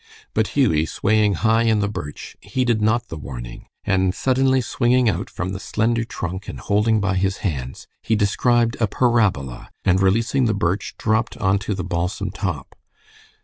But Hughie, swaying high in the birch, heeded not the warning, and suddenly swinging out from the slender trunk and holding by his hands, he described a parabola, and releasing the birch dropped on to the balsam top.